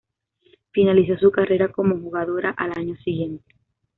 Finalizó su carrera como jugadora al año siguiente.